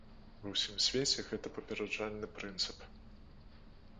Ва ўсім свеце гэта папераджальны прынцып.